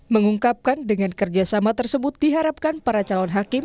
mengungkapkan dengan kerjasama tersebut diharapkan para calon hakim